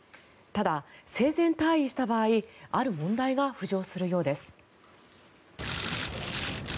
ただ、生前退位した場合ある問題が浮上するようです。